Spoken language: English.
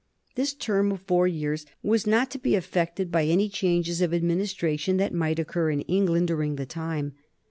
This term of four years was not to be affected by any changes of administration that might occur in England during the time.